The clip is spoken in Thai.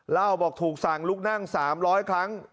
เล่าบอกถูกสั่งลุกนั่ง๓๐๐ครั้ง